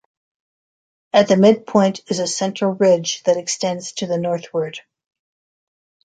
At the midpoint is a central ridge that extends to the northward.